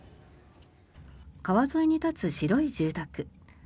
川沿いに立つ白い住宅。